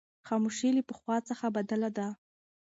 خاموشي له پخوا څخه بدله ده.